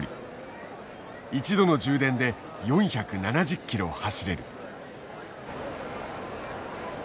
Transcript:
一度の充電で４７０ｋｍ走れる。